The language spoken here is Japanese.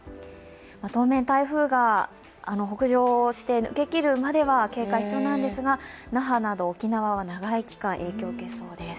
当面、台風が北上して抜けきるまでは警戒が必要なんですが那覇など沖縄は長い期間、影響を受けそうです。